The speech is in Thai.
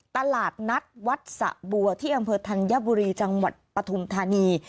ตลาดนัดวัดสะบัวที่อำเภอธัญบุรีจังหวัดปฐุมธานี